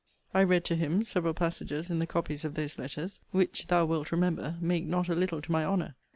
I read to him, 'several passages in the copies of those letters, which, thou wilt remember, make not a little to my honour.'